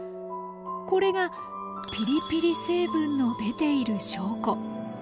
これがピリピリ成分の出ている証拠。